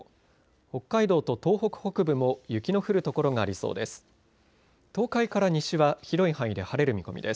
北海道と東北北部も雪の降る所がありそうです。